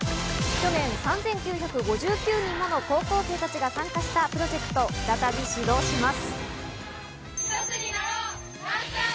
去年、３９５９人もの高校生たちが参加したプロジェクトが再び始動します。